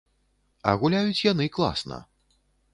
А гуляюць яны класна.